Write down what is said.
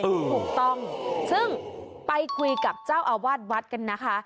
ถูกต้องซึ่งไปคุยกับเจ้าอาวาสวัดกันนะคะ